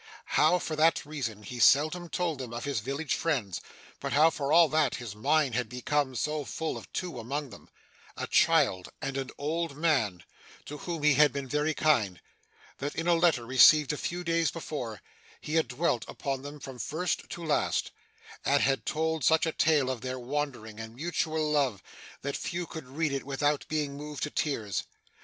How, for that reason, he seldom told them of his village friends; but how, for all that, his mind had become so full of two among them a child and an old man, to whom he had been very kind that, in a letter received a few days before, he had dwelt upon them from first to last, and had told such a tale of their wandering, and mutual love, that few could read it without being moved to tears.